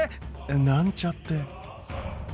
なんちゃって。